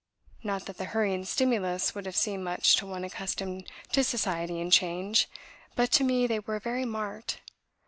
Not that the hurry and stimulus would have seemed much to one accustomed to society and change, but to me they were very marked.